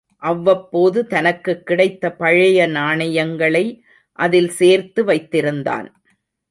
அவ்வப்போது தனக்குக் கிடைத்த பழைய நாணயங்களை அதில் சேர்த்து வைத்திருந்தான்.